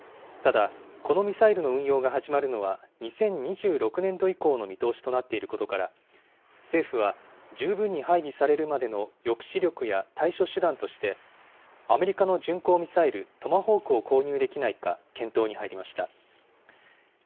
ただ、このミサイルの運用が始まるのは、２０２６年度以降の見通しとなっていることから、政府は十分に配備されるまでの抑止力や対処手段として、アメリカの巡航ミサイル、トマホークを購入できないか検討に入りました。